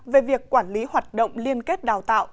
về việc quản lý hoạt động liên kết đào tạo